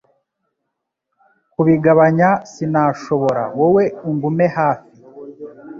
Kubigabanya sinashobora wowe ungume hafi